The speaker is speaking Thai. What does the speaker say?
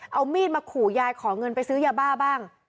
เอามีดมาขู่ยายขอเงินไปซื้อยาบ้าบ้าง